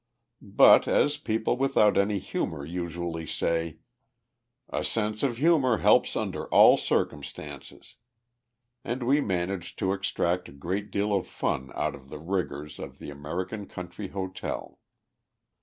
But, as people without any humour usually say, "A sense of humour helps under all circumstances"; and we managed to extract a great deal of fun out of the rigours of the American country hotel.